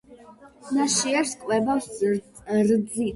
ნაშიერს კვებავს რძით.